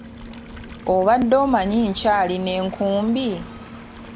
Obadde omanyi nkyalina enkumbi?